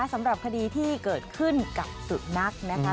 สำหรับคดีที่เกิดขึ้นกับสุนัขนะคะ